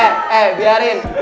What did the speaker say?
eh eh biarin